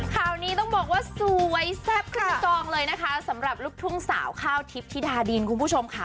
ข่าวนี้ต้องบอกว่าสวยแซ่บขึ้นมากองเลยนะคะสำหรับลูกทุ่งสาวข้าวทิพย์ธิดาดินคุณผู้ชมค่ะ